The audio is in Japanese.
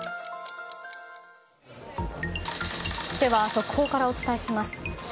速報からお伝えします。